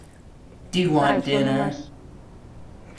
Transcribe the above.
— Сай шонымаш.